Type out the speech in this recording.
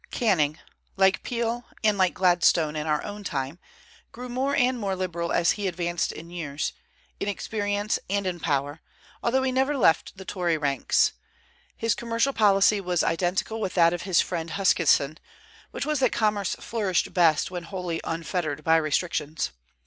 Canning, like Peel, and like Gladstone in our own time, grew more and more liberal as he advanced in years, in experience, and in power, although he never left the Tory ranks. His commercial policy was identical with that of his friend Huskisson, which was that commerce flourished best when wholly unfettered by restrictions.